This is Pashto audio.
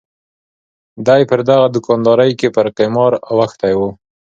دای پر دغه دوکاندارۍ کې پر قمار اوښتی و.